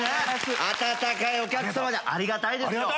温かいお客様でありがたいですよ。